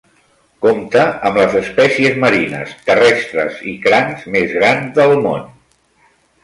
Compta amb les espècies marines, terrestres i crancs més grans del món.